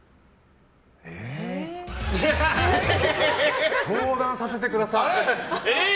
ええ。相談させてください。